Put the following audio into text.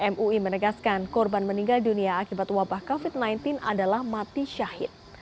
mui menegaskan korban meninggal dunia akibat wabah covid sembilan belas adalah mati syahid